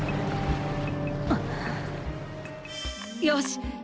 よし。